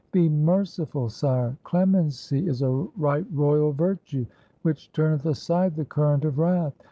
Be merciful, sire! Clemency is a right royal virtue which turneth aside the current of wrath.